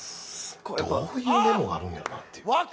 どういうメモがあるんやろうなっていう。